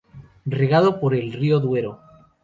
Regado por el río Duero.